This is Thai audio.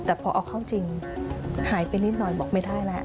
แต่พอเอาเข้าจริงหายไปนิดหน่อยบอกไม่ได้แล้ว